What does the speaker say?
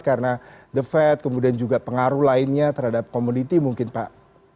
karena the fed kemudian juga pengaruh lainnya terhadap komoditi mungkin pak